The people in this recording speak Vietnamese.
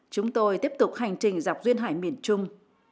chúng tôi tiếp tục hành trình dọc duyên hải miền trung